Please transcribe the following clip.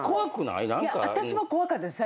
いや私も怖かったです